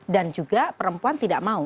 dan juga perempuan tidak mau